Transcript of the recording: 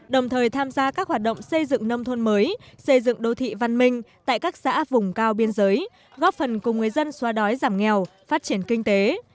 đồng thời tham gia các hoạt động xây dựng nông thôn mới xây dựng đô thị văn minh tại các xã vùng cao biên giới góp phần cùng người dân xoa đói giảm nghèo phát triển kinh tế